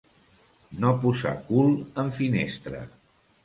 No posar cul en finestra.